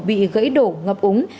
bị gãy đổ ngập úng